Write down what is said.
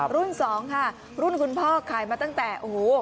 รุ่น๒ค่ะรุ่นคุณพ่อขายมาตั้งแต่